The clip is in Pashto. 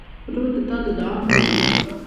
ورور د تا د دعا مل وي.